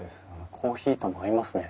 コーヒーとも合いますね。